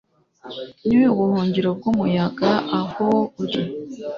ni ubuhungiro bwumuyaga aho uri